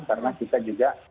karena kita juga